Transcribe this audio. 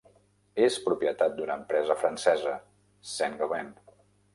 És propietat d'una empresa francesa, Saint-Gobain.